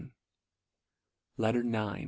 LETTER IX.